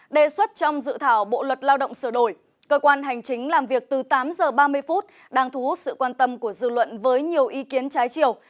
đề xuất trong dự thảo bộ luật lao động sửa đổi cơ quan hành chính làm việc từ tám h ba mươi đang thu hút sự quan tâm của dư luận với nhiều ý kiến trái chiều